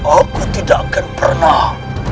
aku tidak akan pernah